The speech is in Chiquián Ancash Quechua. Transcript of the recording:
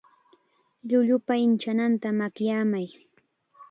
Llullupa inchananta makyamay.